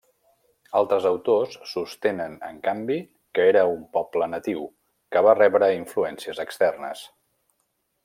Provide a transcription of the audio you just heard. Altres autors sostenen en canvi que era un poble natiu, que va rebre influències externes.